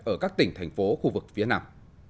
ở các tỉnh thành phố khu vực phía nào